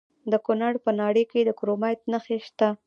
د کونړ په ناړۍ کې د کرومایټ نښې شته.